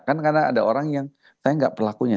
kan karena ada orang yang saya nggak perlakunya